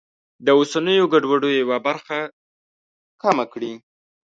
د اوسنیو ګډوډیو یوه برخه کمه کړي.